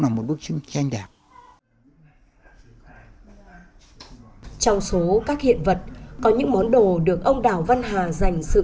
là một bước chân đẹp trong số các hiện vật có những món đồ được ông đào văn hà dành sự